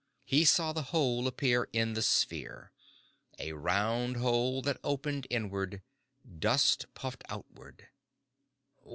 He saw the hole appear in the sphere. A round hole that opened inward. Dust puffed outward.